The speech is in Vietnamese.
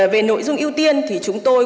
về nội dung ưu tiên thì chúng tôi